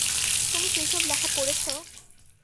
তুমি সেই সব লেখা পড়েছ?